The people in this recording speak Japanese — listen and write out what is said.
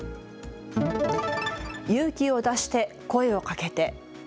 勇気を出して声をかけて。